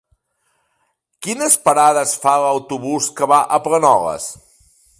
Quines parades fa l'autobús que va a Planoles?